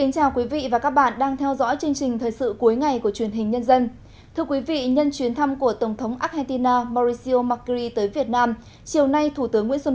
các bạn hãy đăng ký kênh để ủng hộ kênh của chúng mình nhé